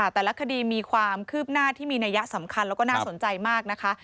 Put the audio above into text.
แต่ละคดีมีความคืบหน้าที่มีนัยสำคัญแล้วก็น่าสนใจมากนะคะ